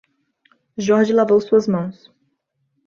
Jorge lavou suas mãos